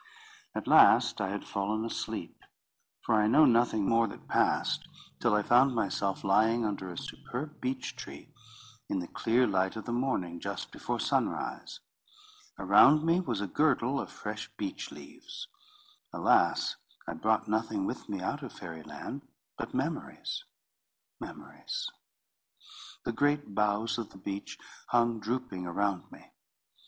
At last I had fallen asleep; for I know nothing more that passed till I found myself lying under a superb beech tree, in the clear light of the morning, just before sunrise. Around me was a girdle of fresh beech leaves. Alas! I brought nothing with me out of Fairy Land, but memories—memories. The great boughs of the beech hung drooping around me.